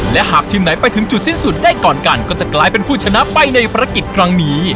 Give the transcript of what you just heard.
และหากทีมไหนไปถึงจุดสิ้นสุดได้ก่อนกันก็จะกลายเป็นผู้ชนะไปในภารกิจครั้งนี้